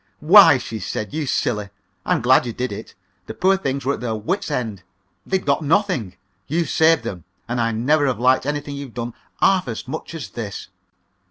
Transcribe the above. "Why," she said, "you silly! I'm glad you did it. The poor things were at their wits' end, and had got they'd got nothing! You've saved them, and I never have liked anything you've done half as much as this."